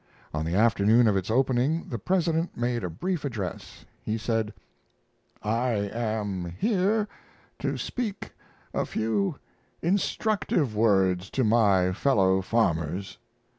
On the afternoon of its opening the president made a brief address. He said: I am here to speak a few instructive words to my fellow farmers.